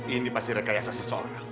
ini pasti rekayasa seorang